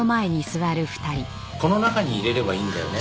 この中に入れればいいんだよね？